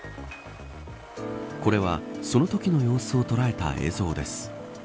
これはそのときの様子を捉えた映像です。